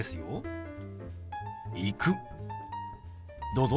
どうぞ。